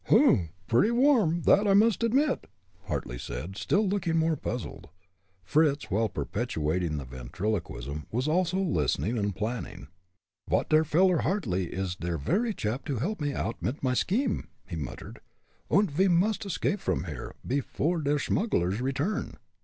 "Humph! pretty warm, that, I must admit," Hartly said, looking still more puzzled. Fritz, while perpetrating the ventriloquism, was also listening and planning. "Dot veller Hartly is der very chap to helb me oud mit my scheme," he muttered, "und ve must escape from here, pefore der smugglers return."